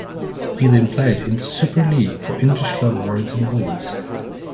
He then played in Super League for English club Warrington Wolves.